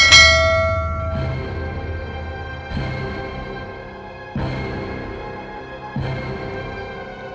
masih ingat gantungan ini